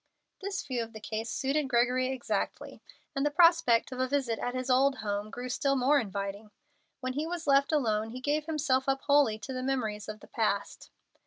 This view of the case suited Gregory exactly, and the prospect of a visit at his old home grew still more inviting. When he was left alone, he gave himself up wholly to the memories of the past.